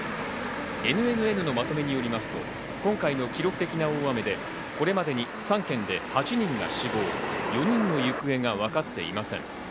ＮＮＮのまとめによりますと今回の記録的な大雨でこれまでに３県で８人が死亡、４人の行方がわかっていません。